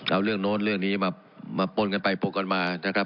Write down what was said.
เอาเรื่องโน้นเรื่องนี้มาป้นกันไปป้นกันมานะครับ